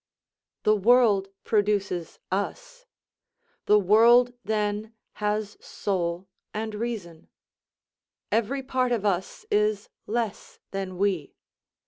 The world produces us, the world then has soul and reason. Every part of us is less than we.